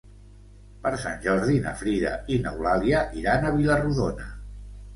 Per Sant Jordi na Frida i n'Eulàlia iran a Vila-rodona.